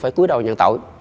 phải cuối đầu nhận tội